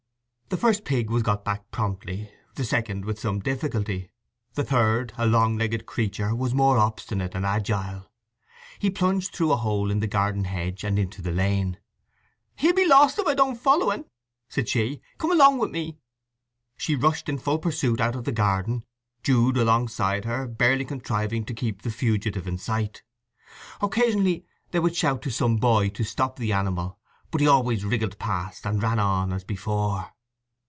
The first pig was got back promptly; the second with some difficulty; the third a long legged creature, was more obstinate and agile. He plunged through a hole in the garden hedge, and into the lane. "He'll be lost if I don't follow 'n!" said she. "Come along with me!" She rushed in full pursuit out of the garden, Jude alongside her, barely contriving to keep the fugitive in sight. Occasionally they would shout to some boy to stop the animal, but he always wriggled past and ran on as before.